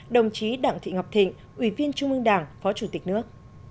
đồng chí đặng thị ngọc thịnh ủy viên trung ương đảng phó chủ tịch nước